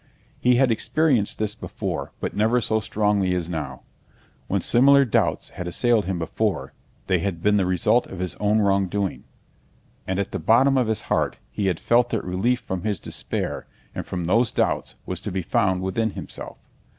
He had experienced this before, but never so strongly as now. When similar doubts had assailed him before, they had been the result of his own wrongdoing, and at the bottom of his heart he had felt that relief from his despair and from those doubts was to be found within himself.